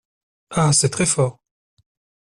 Ah ! c’est très fort !